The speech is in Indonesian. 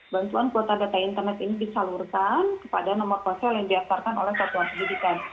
bantuan kuota data internet ini disalurkan kepada nomor ponsel yang diasarkan oleh satuan pendidikan